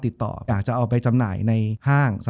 จบการโรงแรมจบการโรงแรม